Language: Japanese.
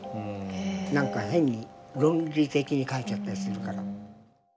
何か変に論理的に書いちゃったりするから。